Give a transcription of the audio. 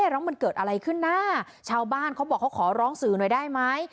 แล้วมันเกิดอะไรขึ้นนะชาวบ้านเขาบอกเขาขอร้องสื่อหน่อยได้ไหม